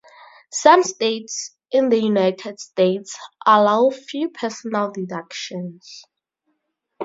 Some states in the United States allow few personal deductions.